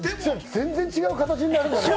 全然違う形になるよね。